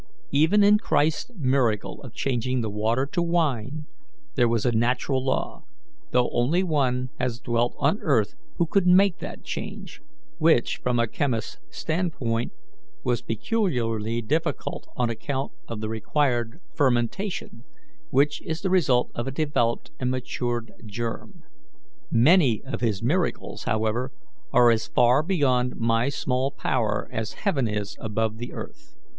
Even in Christ's miracle of changing the water to wine, there was a natural law, though only one has dwelt on earth who could make that change, which, from a chemist's standpoint, was peculiarly difficult on account of the required fermentation, which is the result of a developed and matured germ. Many of His miracles, however, are as far beyond my small power as heaven is above the earth.